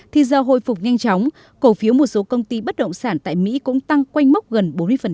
thì do hồi phục nhanh chóng cổ phiếu một số công ty bất động sản tại mỹ cũng tăng quanh mốc gần bốn mươi